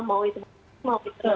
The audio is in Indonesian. mau itu mau itu